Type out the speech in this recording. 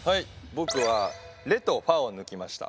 ボクはレとファを抜きました。